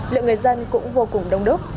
lượng người dân cũng vô cùng đông đúc